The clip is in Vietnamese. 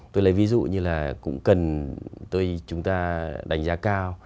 tôi lấy ví dụ như là cũng cần chúng ta đánh giá cao